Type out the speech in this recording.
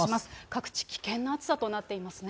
各地、危険な暑さとなっていますね。